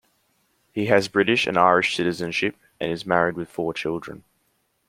He has British and Irish citizenship, and is married with four children.